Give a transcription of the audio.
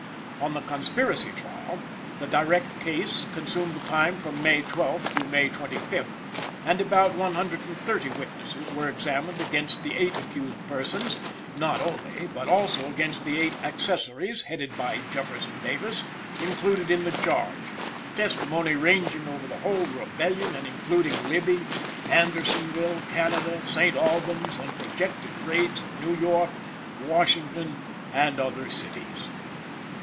On the Conspiracy Trial, the direct case consumed the time from May 12th to May 25th, and about one hundred and thirty witnesses were examined against the eight accused persons, not only, but also against the eight accessories, headed by Jefferson Davis, included in the charge, the testimony ranging over the whole rebellion and including Libby, Andersonville, Canada, St. Albans, and projected raids on New York, Washington and other cities.